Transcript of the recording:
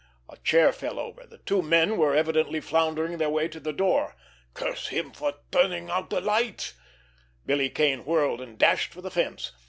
A chair fell over. The two men were evidently floundering their way to the door. "Curse him for turning out the light!" Billy Kane whirled, and dashed for the fence.